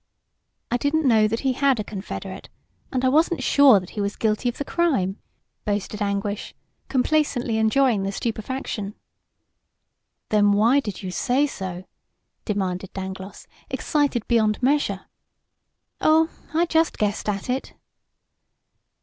"I didn't know that he had a confederate, and I wasn't sure that he was guilty of the crime," boasted Anguish, complacently enjoying the stupefaction. "Then why did you say so?" demanded Dangloss, excited beyond measure. "Oh, I just guessed at it!"